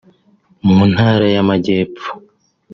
mu Ntara y’Amajyepfo